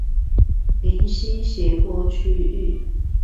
臨溪斜坡區域